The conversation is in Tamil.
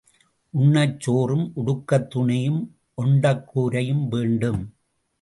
உண்ணச் சோறும் உடுக்கத் துணியும் ஒண்டக் கூரையும் வேண்டும்.